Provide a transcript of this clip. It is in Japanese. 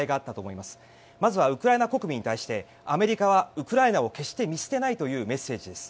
まずはウクライナ国民に対してアメリカはウクライナを決して見捨てないというメッセージです